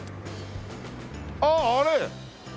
あっあれ！